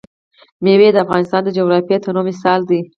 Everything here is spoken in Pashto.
مېوې د افغانستان د جغرافیوي تنوع مثال دی.